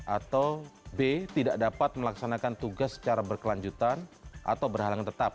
atau b tidak dapat melaksanakan tugas secara berkelanjutan atau berhalangan tetap